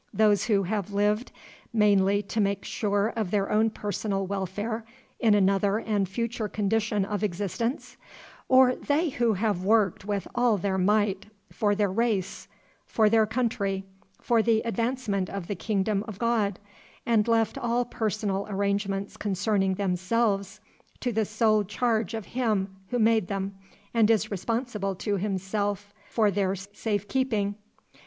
those who have lived mainly to make sure of their own personal welfare in another and future condition of existence, or they who have worked with all their might for their race, for their country, for the advancement of the kingdom of God, and left all personal arrangements concerning themselves to the sole charge of Him who made them and is responsible to himself for their safe keeping?